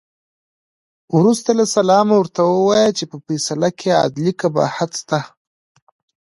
وروسته له سلامه ورته ووایه چې په فیصله کې عدلي قباحت شته.